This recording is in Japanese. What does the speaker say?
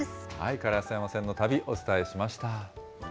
烏山線の旅、お伝えしました。